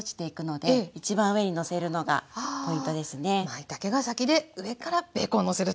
まいたけが先で上からベーコンをのせると。